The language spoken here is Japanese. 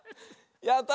やった！